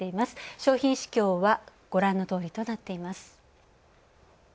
商品市況はご覧のとおりとなっています。